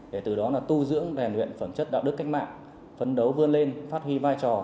để từ đó tu dưỡng và hành luyện phẩm chất đạo đức cách mạng phấn đấu vươn lên phát huy vai trò